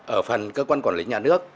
ở phần cơ quan quản lý nhà nước